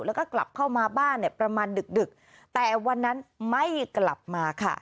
แล้วก็กลับเข้ามาบ้านเนี่ยประมาณดึกดึกแต่วันนั้นไม่กลับมาค่ะ